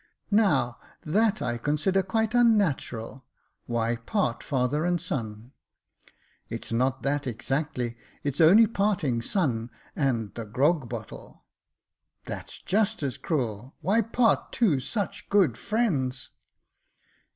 " Now that I consider quite unnatural ; why part father and son ?"" It's not that exactly, it's only parting son and the grog bottle." " That's just as cruel ; why part two such good friends